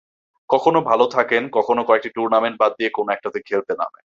কখনো ভালো থাকেন, কখনো কয়েকটি টুর্নামেন্ট বাদ দিয়ে কোনো একটাতে খেলতে নামেন।